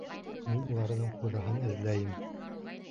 Мин уларҙың хужаһын эҙләйем.